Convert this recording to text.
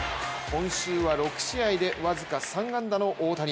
今週は６試合で僅か３安打の大谷。